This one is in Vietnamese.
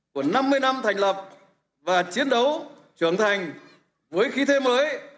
của năm mươi năm thành lập và chiến đấu trưởng thành với khí thế mới